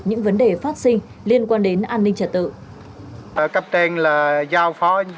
những vấn đề phát sinh liên quan đến an ninh trật tự